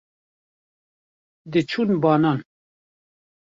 diçûn banan